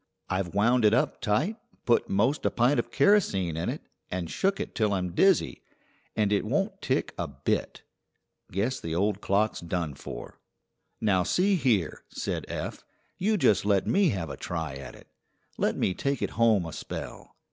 "I've wound it up tight, put 'most a pint of kerosene in it, and shook it till I'm dizzy, and it won't tick a bit. Guess the old clock's done for." "Now see here," said Eph; "you just let me have a try at it. Let me take it home a spell."